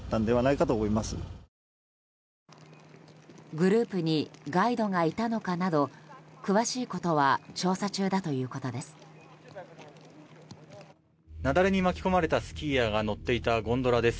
グループにガイドがいたのかなど詳しいことは調査中だということです。